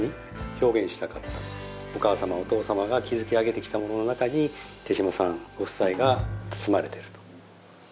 お母様お父様が築き上げてきたものの中に手島さんご夫妻が包まれてると。